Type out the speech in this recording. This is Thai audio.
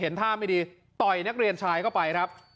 ท่าไม่ดีต่อยนักเรียนชายเข้าไปครับ